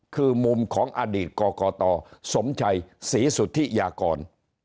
คือมุมของอดีตกรกตสมชัยศรีสุธิยากร